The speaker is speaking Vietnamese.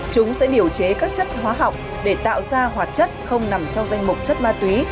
chúng sẽ điều chế các chất hóa học để tạo ra hoạt chất không nằm trong danh mục chất ma túy